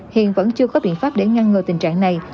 hiện vẫn chưa có biện pháp để ngăn ngừa tình trạng này